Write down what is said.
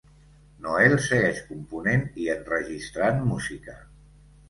Noel segueix component i enregistrant música.